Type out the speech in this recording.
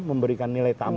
memberikan nilai tambah